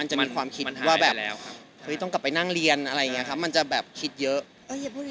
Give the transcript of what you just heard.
อย่าพูดอย่างงี้ต้องให้กำลังใจคนอื่น